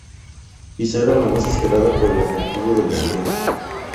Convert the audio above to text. Quizás era la más esperada por el atractivo de la ciudad.